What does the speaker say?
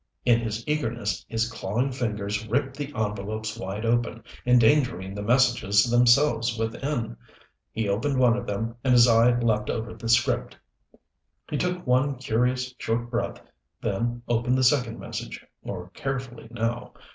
In his eagerness his clawing fingers ripped the envelopes wide open, endangering the messages themselves within. He opened one of them, and his eye leaped over the script. He took one curious, short breath, then opened the second message, more carefully now.